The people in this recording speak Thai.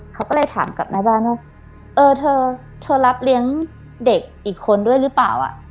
เขาก็เลยถามกับแม่บ้านว่าเออเธอเธอรับเลี้ยงเด็กอีกคนด้วยหรือเปล่า